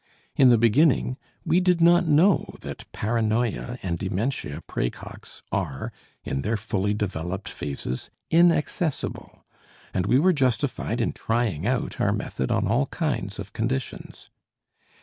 In the beginning we did not know that paranoia and dementia praecox are, in their fully developed phases, inaccessible, and we were justified in trying out our method on all kinds of conditions.